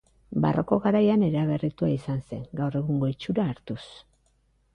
Barroko garaian eraberritua izan zen, gaur egungo itxura hartuz.